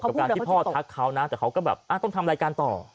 กับการที่พ่อทักเขานะแต่เขาก็แบบต้องทำรายการต่อ